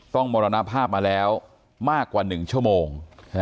มรณภาพมาแล้วมากกว่า๑ชั่วโมง